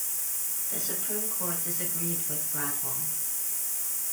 The Supreme Court disagreed with Bradwell.